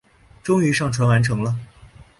终于上传完成了